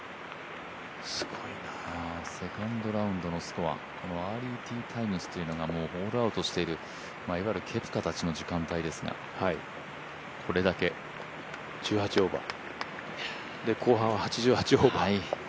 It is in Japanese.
セカンドラウンドのスコア、アーリーティータイムズというのがホールアウトしているいわゆるケプカたちの時間帯ですが１８オーバー。